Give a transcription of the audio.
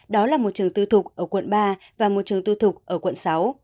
đó là một trường tư thục ở quận ba và một trường tư thục ở quận sáu